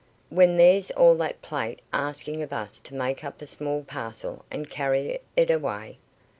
"When there's all that plate asking of us to make up a small parcel and carry it away?"